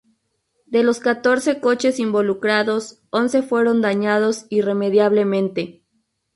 De los catorce coches involucrados, once fueron dañados irremediablemente.